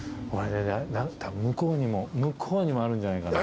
たぶん向こうにもあるんじゃないかな。